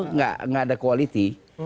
enggak ada quality